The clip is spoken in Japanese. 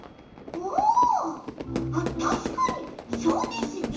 おたしかにそうですね。